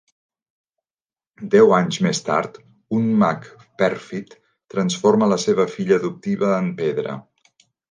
Deu anys més tard, un mag pèrfid transforma la seva filla adoptiva en pedra.